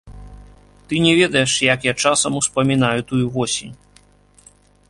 Ты не ведаеш, як я часам успамінаю тую восень.